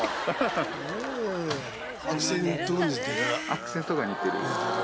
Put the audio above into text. アクセントが似てる。